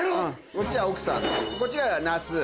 こっちは奥さんこっちは那須。